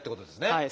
はい。